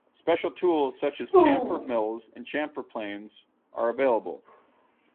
Special tools such as chamfer mills and chamfer planes are available.